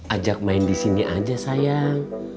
ajak main disini aja sayang